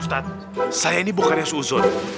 ustaz saya ini bukannya susun